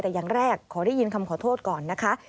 แต่อย่างแรกขอได้ยินคำขอโทษก่อนนะคะ